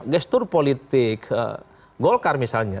gestur politik golkar misalnya